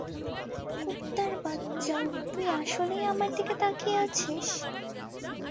কুত্তারবাচ্চা তুই আসলেই আমার দিকে তাকিয়ে আছিস?